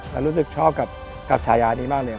และรู้สึกชอบกับฉายานี้มากเลย